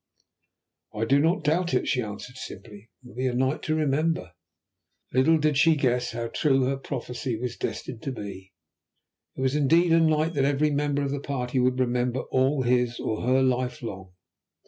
"I do not doubt it," she answered simply. "It will be a night to remember." Little did she guess how true her prophecy was destined to be. It was indeed a night that every member of the party would remember all his, or her, life long.